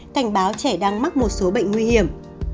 cảnh báo trẻ đang mắc một số bệnh nguy hiểm